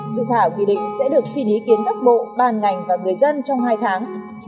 dự thảo nghị định sẽ được suy nghĩ kiến các bộ bàn ngành và người dân trong hai tháng